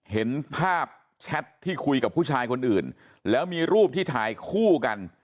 เห็นภาพแชทที่คุยกับผู้ชายคนอื่นแล้วมีรูปที่ถ่ายคู่กัน